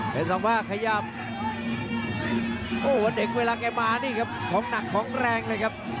เข้ามาขยับโอ้โหวันเด็กเวลาใกล้มานี่ครับของหนักของแรงเลยครับ